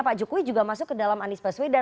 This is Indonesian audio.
pak jokowi juga masuk ke dalam anies baswedan